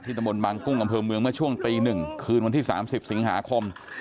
ที่ตมบลบางกุ้งกำเภอเมืองมาช่วงปี๑คืนวันที่๓๐สิงหาคม